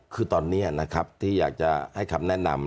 คือตอนนี้นะครับที่อยากจะให้คำแนะนำ